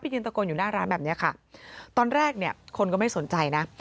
ยืนตะโกนอยู่หน้าร้านแบบนี้ค่ะตอนแรกเนี่ยคนก็ไม่สนใจนะ